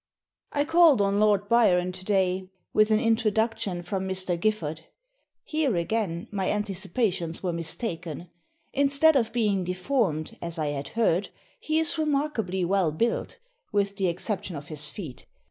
] "I called on Lord Byron to day, with an introduction from Mr. Gifford. Here, again, my anticipations were mistaken. Instead of being deformed, as I had heard, he is remarkably well built, with the exception of his feet.